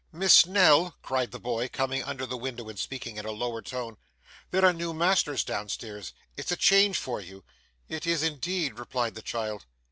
'Miss Nell,' cried the boy coming under the window, and speaking in a lower tone, 'there are new masters down stairs. It's a change for you.' 'It is indeed,' replied the child.